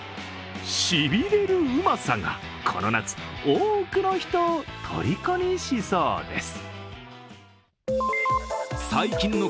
しびれるうまさがこの夏、多くの人をとりこにしそうです。